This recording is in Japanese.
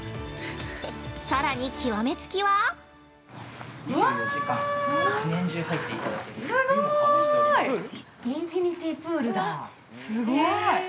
◆さらに極めつきは◆すごーい。